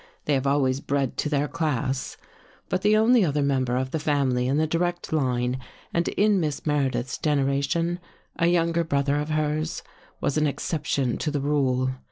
They have always bred to their class. But the only other member of the family in the direct line and in Miss Meredith's generation, — a younger brother of hers, — was an exception to the rule.